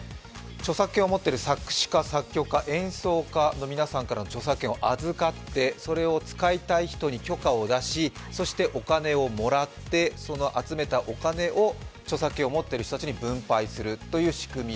著作権を持ってる作詞家、作曲家、演奏家の皆さんの著作権を預って、それを使い方人に許可を出し、そしてお金をもらって、集めたお金を著作権を持ってる人たちに分配するという仕組み。